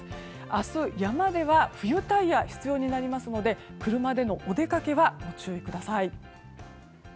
明日、山では冬タイヤが必要になりますので車でのお出かけはご注意ください。